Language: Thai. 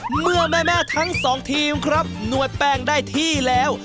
เมื่อแม่ทั้งสองทีมครับนวดแป้งได้ที่แล้ว